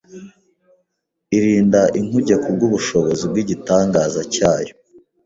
irinda inkuge kubwo ubushobozi bw’igitangaza cyayo.